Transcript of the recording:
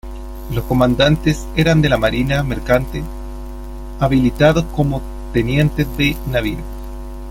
Los comandantes eran de la marina mercante, habilitados como tenientes de navío.